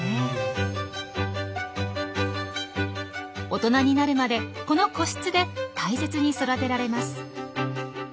大人になるまでこの個室で大切に育てられます。